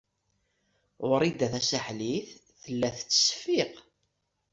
Wrida Tasaḥlit tella tettseffiq.